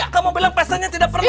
kamu bilang pestanya tidak perlu